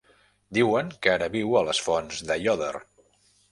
Diuen que ara viu a les Fonts d'Aiòder.